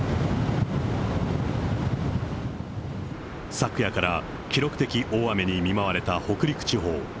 昨夜から記録的大雨に見舞われた北陸地方。